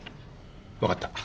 分かった。